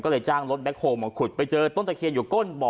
ก็เลยจ้างรถแคคโฮลมาขุดไปเจอต้นตะเคียนอยู่ก้นบ่อ